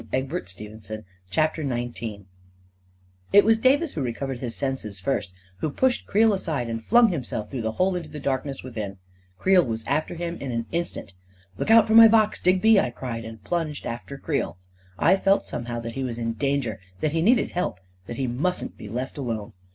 " The tomb is empty I " CHAPTER XIX It was Davis who recovered his senses first, who pushed Creel aside and flung himself through the hole into the darkness within. Creel was after him in an instant. " Look out for my box, Digby," I cried, and plunged after Creel. I felt somehow that he was in danger — that he needed help — that he mustn't be left alone.